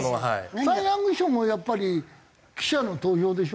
サイ・ヤング賞もやっぱり記者の投票でしょ？